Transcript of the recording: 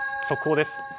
速報です。